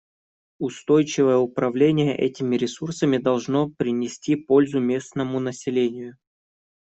Устойчивое управление этими ресурсами должно принести пользу местному населению.